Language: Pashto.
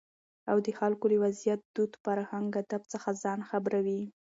او دخلکو له وضعيت، دود، فرهنګ اداب څخه ځان خبروي.